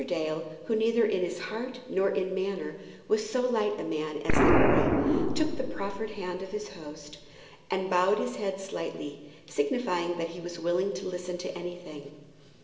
Dale, who neither in heart nor in manner was so light a man as the earl, took the proffered hand of his host, and bowed his head slightly, signifying that he was willing to listen to anything.